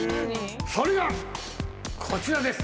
それがこちらです。